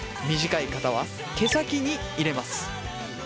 短い方は毛先に入れます。